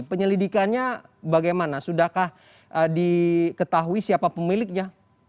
penyelidikannya bagaimana sudahkah diketahui siapa pemiliknya